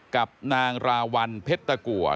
กับนางราวัลเผ็ดตะกัวร์